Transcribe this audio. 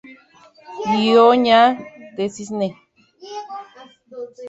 Hyōga de Cisne